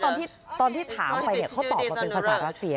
เพราะว่าตอนที่ถามไปเนี่ยเขาตอบว่าเป็นภาษารัสเซีย